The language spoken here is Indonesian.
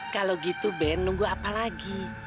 kalau gitu ben nunggu apa lagi